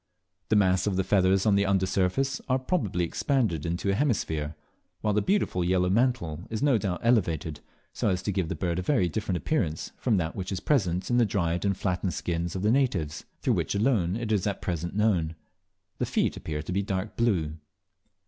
The mass of feathers on the under surface are probably expanded into a hemisphere, while the beautiful yellow mantle is no doubt elevated so as to give the bird a very different appearance from that which it presents in the dried and flattened skins of the natives, through which alone it is at present known. The feet appear to be dark blue.